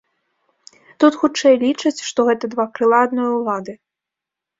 Тут, хутчэй, лічаць, што гэта два крыла адной улады.